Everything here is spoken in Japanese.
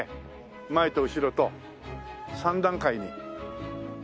前と後ろと３段階にほら。